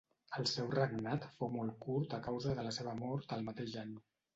El seu regnat fou molt curt a causa de la seva mort el mateix any.